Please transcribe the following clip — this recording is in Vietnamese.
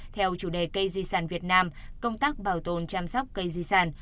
theo chủ đề cây di sản việt nam công tác bảo tồn chăm sóc cây di sản